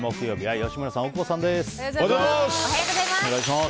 木曜日は吉村さん、大久保さんです。